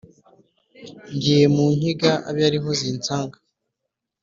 ngiye mu nkiga abe ari ho zinsanga